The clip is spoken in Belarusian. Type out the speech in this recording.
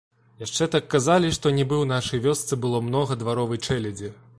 Яшчэ так казалі, што нібы ў нашай вёсцы было многа дваровай чэлядзі.